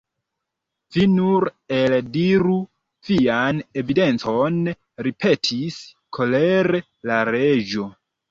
"Vi nur eldiru vian evidencon," ripetis kolere la Reĝo.